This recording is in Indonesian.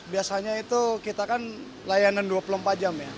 biasanya itu kita kan layanan dua puluh empat jam ya